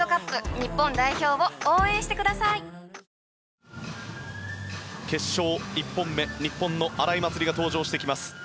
あ決勝１本目日本の荒井祭里が登場してきます。